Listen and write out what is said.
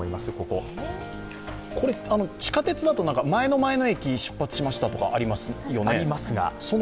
これ、地下鉄だと前の前の駅出発しましたとかありますよね。